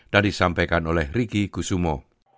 dan disampaikan oleh riki kusumo